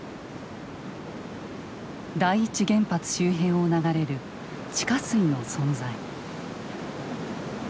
第一原発周辺を流れる地下水の存在。